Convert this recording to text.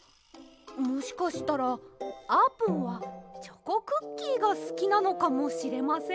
もしかしたらあーぷんはチョコクッキーがすきなのかもしれません。